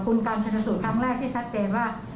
คุณกันสังสรุปครั้งแรกที่ชัดเจนว่า